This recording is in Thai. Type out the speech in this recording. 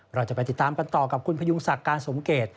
เราจะไปติดตามกันต่อกับคุณพยุงศักดิ์การสมเกต